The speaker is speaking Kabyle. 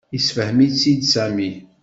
Yessefhem-itt-id Sami.